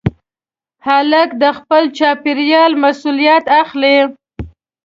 هلک د خپل چاپېریال مسؤلیت اخلي.